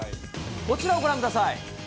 こちらをご覧ください。